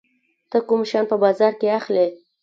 ته کوم شیان په بازار کې اخلي؟